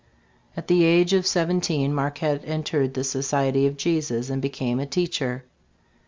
At the age of seventeen, Marquette entered the Society of Jesus and became a teacher.